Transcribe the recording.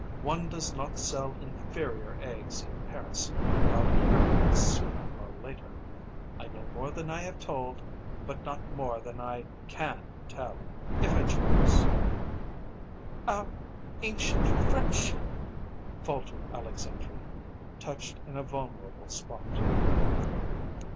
One does not sell inferior eggs in Paris without hearing of it sooner or later. I know more than I have told, but not more than I can tell, if I choose." "Our ancient friendship" faltered Alexandrine, touched in a vulnerable spot.